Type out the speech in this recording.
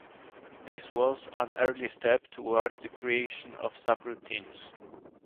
This was an early step toward the creation of subroutines.